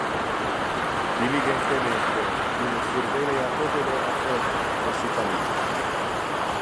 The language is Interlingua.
Diligentemente illa survelia tote le affaires de su familia.